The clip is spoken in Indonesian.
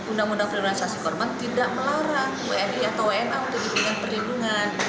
undang undang kriminalisasi korban tidak melarang wni atau wna untuk diberikan perlindungan